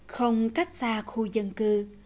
không cách xa khu dân cư